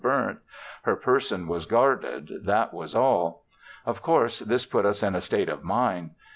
burnt; her person was guarded; that was all. Of course this put us in a state of mind.